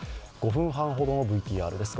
５分半ほどのＶＴＲです。